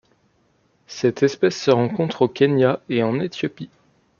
Cette espèce se rencontre au Kenya et en Éthiopie.